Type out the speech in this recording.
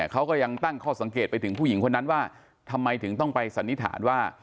เขาก็ยังตั้งข้อสังเกตไปถึงผู้หญิงคนนั้นว่าทำไมถึงต้องไปสันนิษฐานว่า